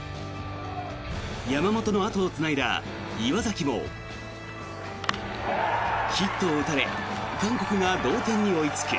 山本の後をつないだ岩崎もヒットを打たれ韓国が同点に追いつく。